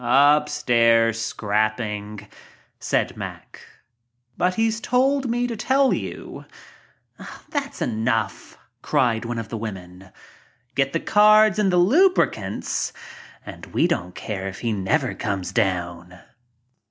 "Upstairs, scrapping," said Mack. "But he's told me to tell you—" "That's enough," cried one of the women. "Get the cards and the lubricants and we dont' care if he never comes down."